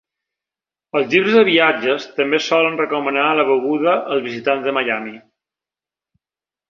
Els llibres de viatges també solen recomanar la beguda als visitants de Miami.